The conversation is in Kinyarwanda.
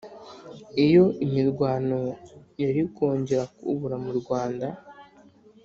iyo imirwano yari kongera kubura mu rwanda.